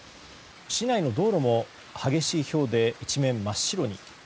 市内の道路も激しいひょうで一面真っ白に。